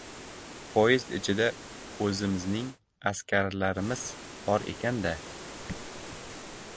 Poyezd ichida o‘zi- mizning askarlarimiz bor ekan-da!